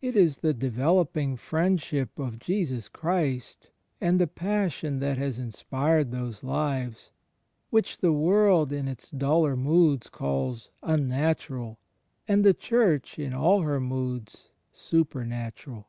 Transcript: It is the developing friendship of Jesus Christ and the passion that has inspired those lives, which the world in its duller moods calls imnatural, and the Church, ^John i : zi. CHRIST IN THE INTERIOR SOUL II in all her moods, supernatural.